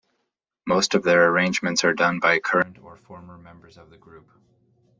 Most of their arrangements are done by current or former members of the group.